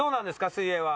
水泳は。